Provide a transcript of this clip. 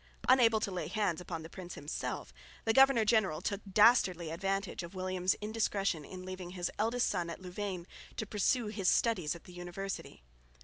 Unable to lay hands upon the prince himself, the governor general took dastardly advantage of William's indiscretion in leaving his eldest son at Louvain to pursue his studies at the university.